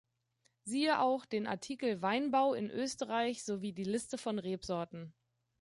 Siehe auch den Artikel Weinbau in Österreich sowie die Liste von Rebsorten.